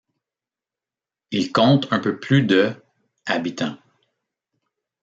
Il compte un peu plus de habitants.